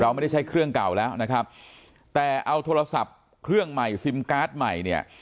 ไม่ได้ใช้เครื่องเก่าแล้วนะครับแต่เอาโทรศัพท์เครื่องใหม่ซิมการ์ดใหม่เนี่ย